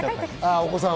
お子さんを。